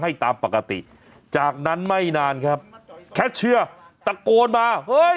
ให้ตามปกติจากนั้นไม่นานครับแคชเชียร์ตะโกนมาเฮ้ย